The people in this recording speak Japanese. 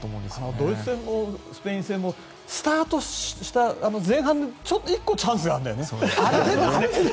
ドイツ戦もスペイン戦も前半、スタートして１個チャンスがあるんだよね。